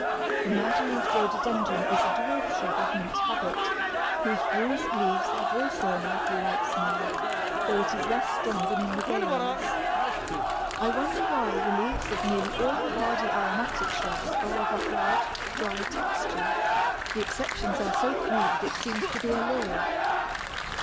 The myrtle leaved Rhododendron is a dwarf shrub of neat habit, whose bruised leaves have also a myrtle like smell, though it is less strong than in the Gales. I wonder why the leaves of nearly all the hardy aromatic shrubs are of a hard, dry texture; the exceptions are so few that it seems to be a law.